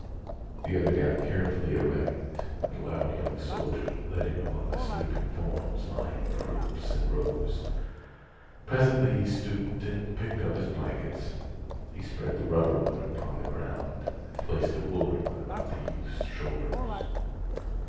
The other got carefully erect, and the loud young soldier led him among the sleeping forms lying in groups and rows. Presently he stooped and picked up his blankets. He spread the rubber one upon the ground and placed the woolen one about the youth's shoulders.